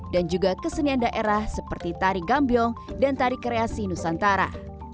dan juga kesenian daerah seperti tari gambyong dan tari kreasi nusantara